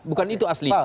bukan itu asli